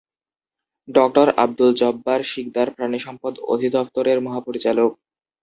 ডঃ আব্দুল জব্বার সিকদার প্রাণিসম্পদ অধিদফতরের মহাপরিচালক।